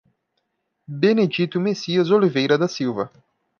Benedito Messias Oliveira da Silva